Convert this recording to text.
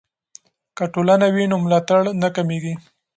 که ټولنه وي نو ملاتړ نه کمېږي.